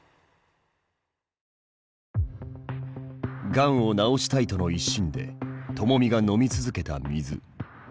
がんを治したいとの一心でともみが飲み続けた水。